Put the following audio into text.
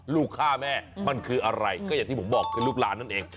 ลูกฆ่าแม่มันคืออะไรก็อย่างที่ผมบอกคือลูกหลานนั่นเอง